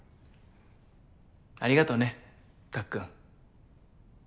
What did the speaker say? ありがとねたっくん。